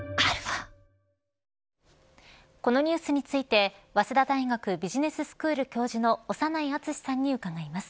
このニュースについて早稲田大学ビジネススクール教授の長内厚さんに伺います。